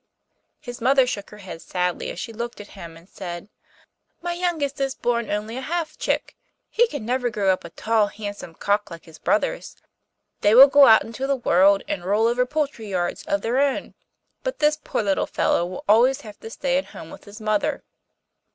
His mother shook her head sadly as she looked at him and said: 'My youngest born is only a half chick. He can never grow up a tall handsome cock like his brothers. They will go out into the world and rule over poultry yards of their own; but this poor little fellow will always have to stay at home with his mother.